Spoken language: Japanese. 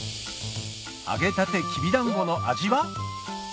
揚げたてきびだんごの味は？